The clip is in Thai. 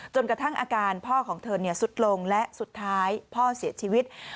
กระทั่งอาการพ่อของเธอสุดลงและสุดท้ายพ่อเสียชีวิต